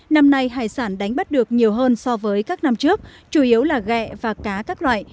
năm nay hải sản đánh bắt được nhiều hơn so với các năm trước chủ yếu là gẹ và cá các loại